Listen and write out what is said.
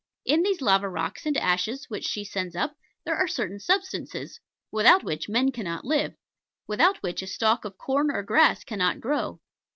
In these lava rocks and ashes which she sends up there are certain substances, without which men cannot live without which a stalk of corn or grass cannot grow.